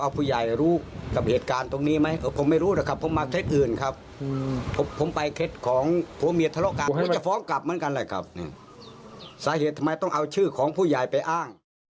สาเหตุทำไมต้องเอาชื่อของผู้ใหญ่ไปอ้าง